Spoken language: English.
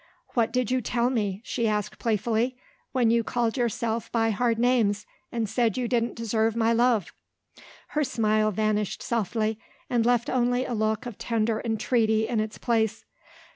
"What did you tell me," she asked playfully, "when you called yourself by hard names, and said you didn't deserve my love?" Her smile vanished softly, and left only a look of tender entreaty in its place.